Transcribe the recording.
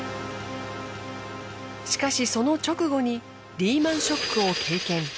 しかしその直後にリーマンショックを経験。